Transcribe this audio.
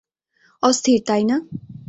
অস্থির, তাই না?